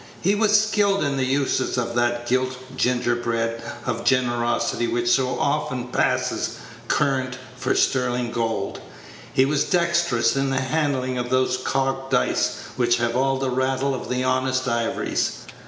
He was skilled in the uses of that gilt gingerbread of generosity which so often passes current for sterling gold. He was dexterous in the handling of those cogged dice which have all the rattle of the honest ivories.